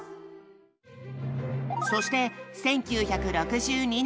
そして１９６２年。